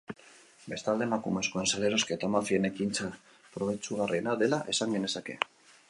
Bestalde, emakumezkoen salerosketa mafien ekintza probetxugarriena dela esan genezake.